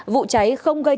vụ cháy không gây nguy hiểm